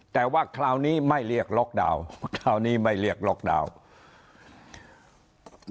แต่ว่าคราวนี้ไม่เรียกล็อกดาวน์คราวนี้ไม่เรียกล็อกดาวน์